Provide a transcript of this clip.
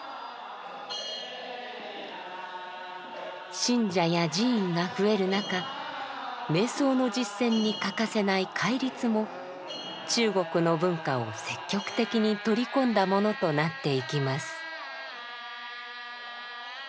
信者や寺院が増える中瞑想の実践に欠かせない「戒律」も中国の文化を積極的に取り込んだものとなっていきます。